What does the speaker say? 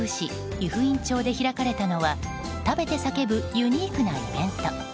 由布院町で開かれたのは食べて叫ぶユニークなイベント。